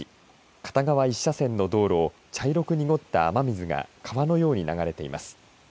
片側一車線の道路を茶色く濁った雨水が川のように流れています。